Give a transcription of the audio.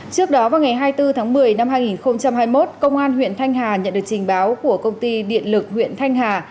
trước đó vào ngày hai mươi bốn tháng một mươi năm hai nghìn hai mươi một công an huyện thanh hà nhận được trình báo của công ty điện lực huyện thanh hà